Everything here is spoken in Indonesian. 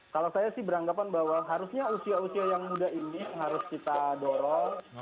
kalau saya sih beranggapan bahwa harusnya usia usia yang muda ini harus kita dorong